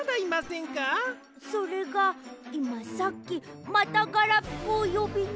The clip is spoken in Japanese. それがいまさっきまたガラピコをよびに。